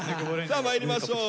さあまいりましょう。